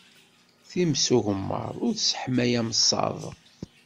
Times ugemmaḍ, ur tesseḥmay ameṣṣaḍ.